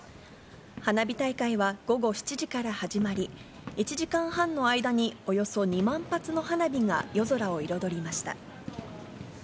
花火大会は午後７時から始まり、１時間半の間に、およそ２万発の花火が夜空を彩りました。